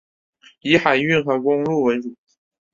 以海运和公路为主。